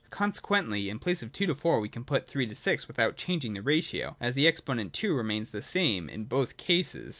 Consequently, in place of 2 : 4, we can put 3 : 6 without changing the ratio ; as the exponent 2 remains the same in both cases.